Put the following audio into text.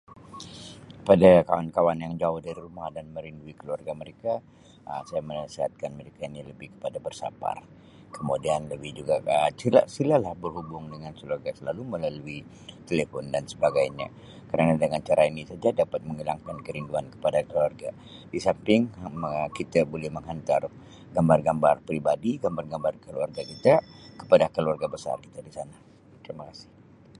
Pada kawan-kawan yang jauh dari rumah san merindui keluarga mereka Um saya menasihatkan mereka ini lebih kepada bersabar kemudian lebih juga-tidak, silalah berhubung dengan keluarga selalu melalui telepon dan sebagainya kerana dengan cara ini juga dapat menghilangkan kerinduan kepada keluarga, di samping Um me-kita boleh menghantar gambar-gambar peribadi, gambar-gambar keluarga kita kepada keluarga besar kita di sana. Terima kasih.